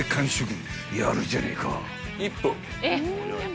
［やるじゃねえか］